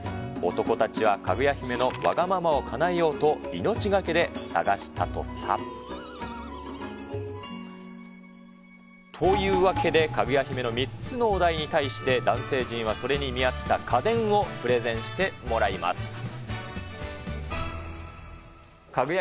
男たちは、かぐや姫のわがままをかなえようと、命懸けで探したとさ。というわけで、かぐや姫の３つのお題に対して、男性陣はそれに見合った家電をプレゼンしてもらいます。